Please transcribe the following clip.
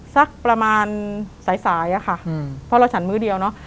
สักประมาณสายสายอะค่ะเพราะเราฉันมื้อเดียวเนอะ